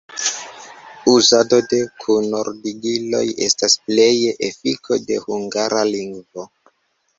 Uzado de kunordigiloj estas pleje efiko de Hungara lingvo.